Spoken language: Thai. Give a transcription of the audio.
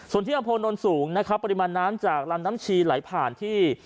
ส่วนที่อำเภอนนท์สูงนะครับปริมาณน้ำจากลำน้ำชีไหลผ่านที่